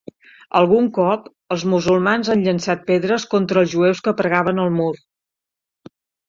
Algun cop, els musulmans han llençat pedres contra els jueus que pregaven al mur.